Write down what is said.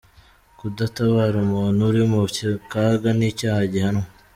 Kudatabara umuntu uri mu kaga ni icyaha gihanwa